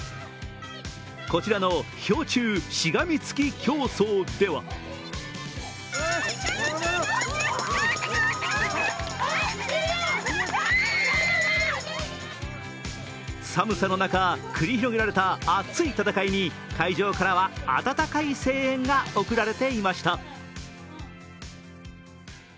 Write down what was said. こちらの氷柱しがみ付き競争では寒さの中、繰り広げられた熱い戦いに会場からは温かい声援が送られていました。